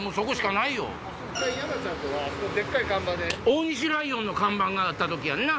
大西ライオンの看板があった時やんな。